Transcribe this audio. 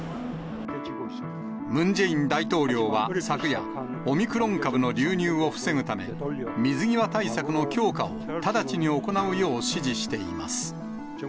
ムン・ジェイン大統領は昨夜、オミクロン株の流入を防ぐため、水際対策の強化を直ちに行うよう指示しています。